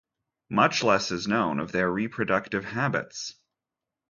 Much less is known of their reproductive habits.